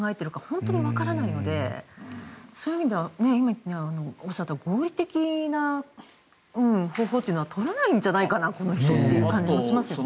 本当にわからないのでそういう意味では今おっしゃった合理的な方法というのは取らないんじゃないかなという感じがしますよね。